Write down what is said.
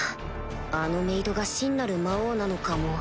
あのメイドが真なる魔王なのかも